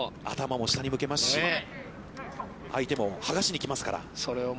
頭も下に向けますし相手も剥がしに来ますから。